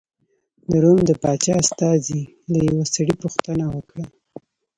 د روم د پاچا استازي له یوه سړي پوښتنه وکړه.